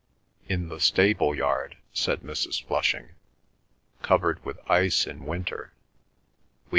"In the stable yard," said Mrs. Flushing. "Covered with ice in winter.